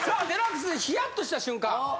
『ＤＸ』でヒヤッとした瞬間。